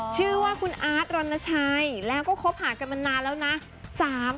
ชื่อว่าคุณอาร์ตรณชัยแล้วก็คบหากันมานานแล้วนะ